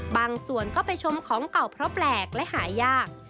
บางส่วนก็ไปชมของเก่าเพราะแปลกและหายาก